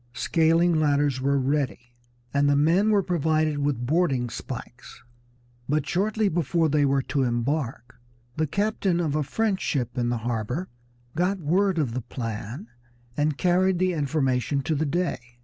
Scaling ladders were ready, and the men were provided with boarding spikes; but shortly before they were to embark the captain of a French ship in the harbor got word of the plan and carried the information to the Dey.